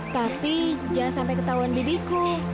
tapi jangan sampai ketahuan bibiku